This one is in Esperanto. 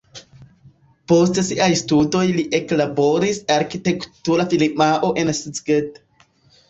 Post siaj studoj li eklaboris arkitektura firmao en Szeged.